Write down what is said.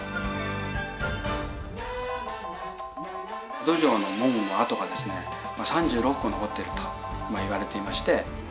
江戸城の門の跡がですね３６個残っているといわれていまして。